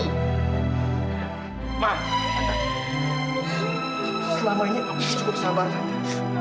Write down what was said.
selama ini aku sudah cukup sabar tante